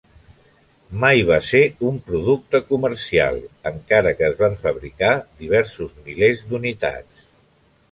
Mai va ser un producte comercial, encara que es van fabricar diversos milers d'unitats.